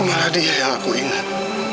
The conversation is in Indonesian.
malah dia yang aku ingat